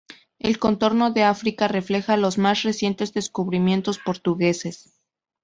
El contorno de África refleja los más recientes descubrimientos portugueses.